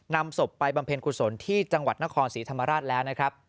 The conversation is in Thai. นำศพไปบำเพ็ญกุศลที่จังหวัดนครศรีธรรมราชแล้วนะครับ